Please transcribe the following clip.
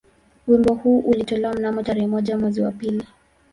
Wimbo huu ulitolewa mnamo tarehe moja mwezi wa pili